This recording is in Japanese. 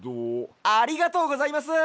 ありがとうございます。